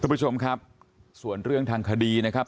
คุณผู้ชมครับส่วนเรื่องทางคดีนะครับ